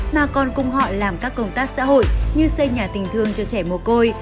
mà còn cùng họ làm các công tác xã hội như xây nhà tình thương cho trẻ mồ côi